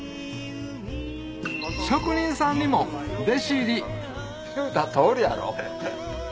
職人さんにも弟子入り言うた通りやろ？